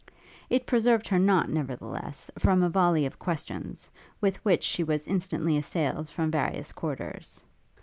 It preserved her not, nevertheless, from a volley of questions, with which she was instantly assailed from various quarters.